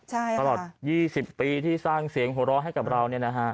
ตลอด๒๐ปีที่สร้างเสียงหัวเราะให้กับเรา